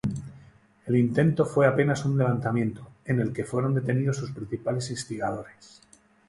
El intento fue apenas un levantamiento, en el que fueron detenidos sus principales instigadores.